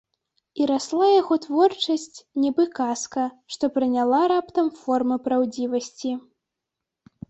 І расла яго творчасць, нібы казка, што прыняла раптам формы праўдзівасці.